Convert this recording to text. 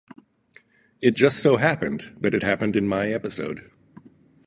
It just so happened that it happened in my episode.